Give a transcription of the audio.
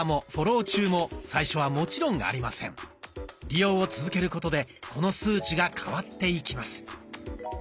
利用を続けることでこの数値が変わっていきます。